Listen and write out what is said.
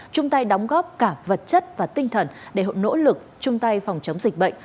chung tay đóng góp cả vật chất và tinh thần để nỗ lực chung tay phòng chống dịch bệnh